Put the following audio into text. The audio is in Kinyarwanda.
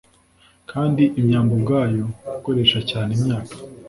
Kandi imyambi ubwayo Gukoresha cyaneimyaka